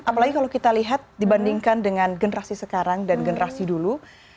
apalagi kalau kita lihat dibandingkan dengan generasi sekarang dan generasi dulu